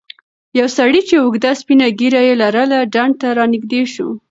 یو سړی چې اوږده سپینه ږیره یې لرله ډنډ ته رانږدې شو.